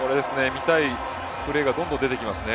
見たいプレーがどんどん出てきますね。